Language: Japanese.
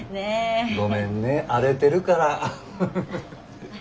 ごめんね荒れてるからハハハハ。